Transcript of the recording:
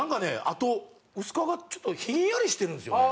あと薄皮がちょっとひんやりしてるんですよね。